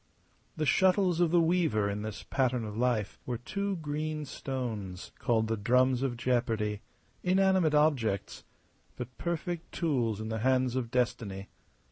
The shuttles of the Weaver in this pattern of life were two green stones called the drums of jeopardy, inanimate objects, but perfect tools in the hands of Destiny.